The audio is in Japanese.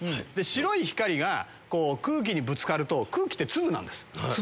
白い光が空気にぶつかると空気って粒なんです。